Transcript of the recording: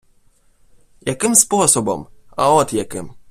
- Яким способом? А от яким.